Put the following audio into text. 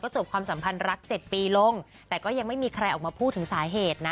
จบความสัมพันธ์รัก๗ปีลงแต่ก็ยังไม่มีใครออกมาพูดถึงสาเหตุนะ